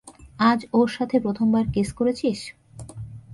আজ ওর সাথে প্রথমবার কিস করেছিস?